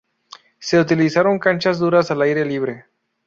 Se utilizaron canchas duras al aire libre.